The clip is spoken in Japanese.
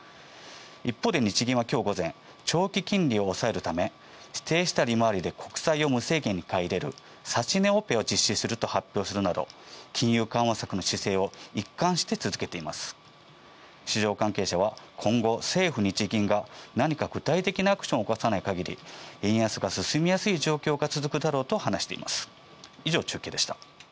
一方で日銀は今日午前、長期金利を抑えるため指定した利回りで国債を無制限に買い入れる指し値オペを実施すると発表するなど金融緩和策の姿勢を一貫して続けています。市場関係者は今後、政府、日銀が何か具体的なアクションを起こさない限り円安が進みやすい状況が続くだろうと話しています。